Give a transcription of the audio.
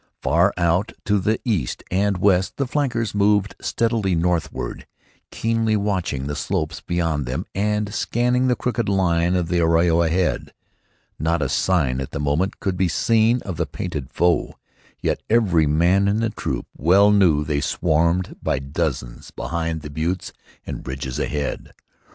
Far out to the east and west the flankers moved steadily northward, keenly watching the slopes beyond them and scanning the crooked line of the arroyo ahead. Not a sign at the moment could be seen of the painted foe, yet every man in the troop well knew they swarmed by dozens behind the buttes and ridges ahead.